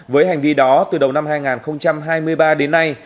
với hành vi đó từ đầu năm hai nghìn hai mươi ba đến nay